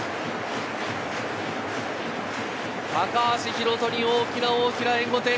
高橋宏斗に大きな大きな援護点。